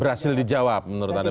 berhasil dijawab menurut anda